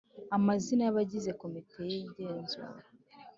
amazina y abagize Komite y Igenzura